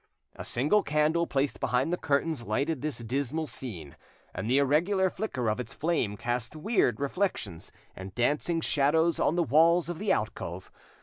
A single candle placed behind the curtains lighted this dismal scene, and the irregular flicker of its flame cast weird reflections and dancing shadows an the walls of the alcove.